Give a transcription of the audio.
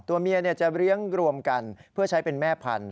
ตัวเมียจะเลี้ยงรวมกันเพื่อใช้เป็นแม่พันธ